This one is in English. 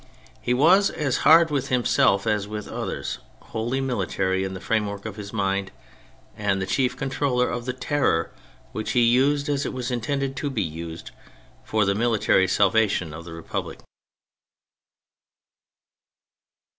He was as hard with himself as with others, wholly military in the framework of his mind, and the chief controller of the Terror, which he used, as it was intended to be used, for the military salvation of the republic.